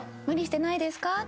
無理してないですか？